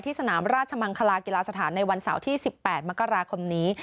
สนามราชมังคลากีฬาสถานในวันเสาร์ที่๑๘มกราคมนี้